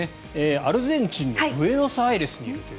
アルゼンチンのブエノスアイレスにいるという。